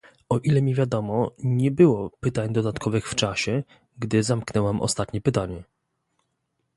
O ile mi wiadomo, nie było pytań dodatkowych w czasie, gdy zamknęłam ostatnie pytanie